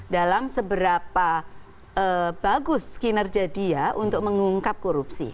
dalam seberapa bagus kinerja dia untuk mengungkap korupsi